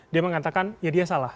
dia mengatakan ya dia salah